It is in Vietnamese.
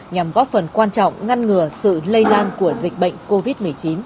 nhằm góp phần quan trọng ngăn ngừa sự lây lan của dịch bệnh covid một mươi chín